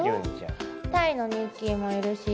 タイのニッキーもいるし。